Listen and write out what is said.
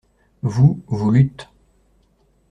Vous, vous lûtes.